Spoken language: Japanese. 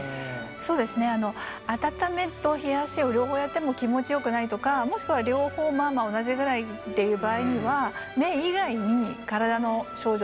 そうですね温めと冷やしを両方やっても気持ちよくないとかもしくは両方まあまあ同じぐらいっていう場合には目以外に体の症状